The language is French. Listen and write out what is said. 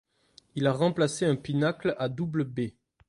Il a remplacé un pinacle à double baie.